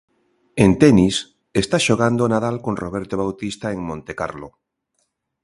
En tenis, está xogando Nadal con Roberto Bautista en Montecarlo.